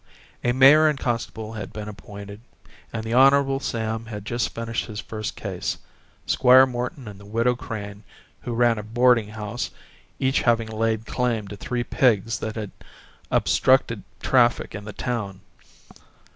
A mayor and a constable had been appointed, and the Hon. Sam had just finished his first case Squire Morton and the Widow Crane, who ran a boarding house, each having laid claim to three pigs that obstructed traffic in the town.